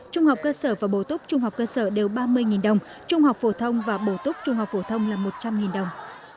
trung học cơ sở và bổ túc trung học cơ sở đều ba mươi đồng trung học phổ thông và bổ túc trung học phổ thông là một trăm linh đồng